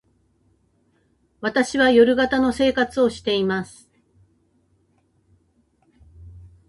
私は夜型の生活をしています。